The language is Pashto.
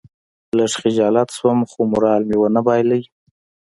لږ خجالت شوم خو مورال مې ونه بایلود.